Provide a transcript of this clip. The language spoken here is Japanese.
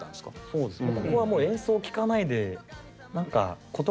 そうですね。